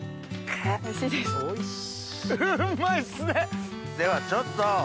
おいしい？